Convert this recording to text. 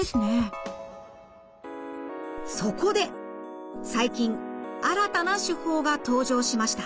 そこで最近新たな手法が登場しました。